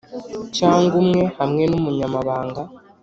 cyangwa umwe hamwe n umunyamabanga